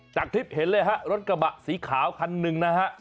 จากคลิปเห็นเลยฮะรถกระบะสีขาวคันหนึ่งนะฮะ